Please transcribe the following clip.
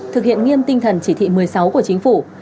thực hiện nghiêm tinh thần chỉ thị một mươi sáu của chính phủ